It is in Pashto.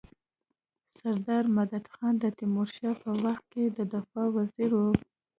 سردار مددخان د تيمورشاه په وخت کي د دفاع وزیر وو.